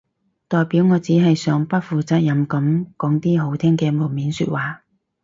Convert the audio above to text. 代表我只係想不負責任噉講啲好聽嘅門面說話